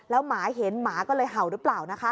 หมาเห็นหมาก็เลยเห่าหรือเปล่านะคะ